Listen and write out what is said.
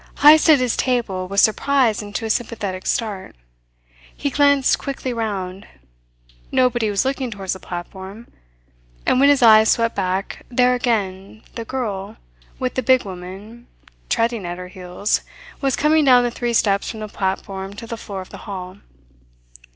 Heyst, at his table, was surprised into a sympathetic start. He glanced quickly round. Nobody was looking towards the platform; and when his eyes swept back there again, the girl, with the big woman treading at her heels, was coming down the three steps from the platform to the floor of the hall.